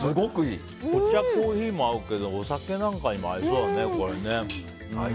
お茶、コーヒーも合うけどお酒なんかにも合いそうだね。